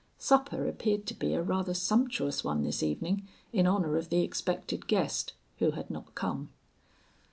Supper appeared to be a rather sumptuous one this evening, in honor of the expected guest, who had not come.